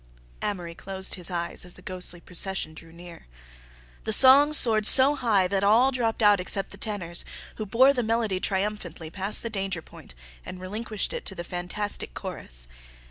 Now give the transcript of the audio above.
Amory closed his eyes as the ghostly procession drew near. The song soared so high that all dropped out except the tenors, who bore the melody triumphantly past the danger point and relinquished it to the fantastic chorus.